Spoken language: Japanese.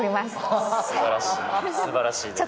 すばらしい。